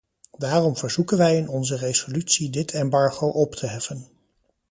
Daarom verzoeken wij in onze resolutie dit embargo op te heffen.